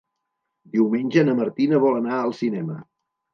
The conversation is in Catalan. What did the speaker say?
Diumenge na Martina vol anar al cinema.